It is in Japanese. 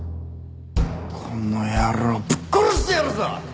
この野郎ぶっ殺してやるぞ！